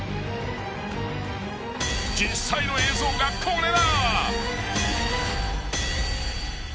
［実際の映像がこれだ］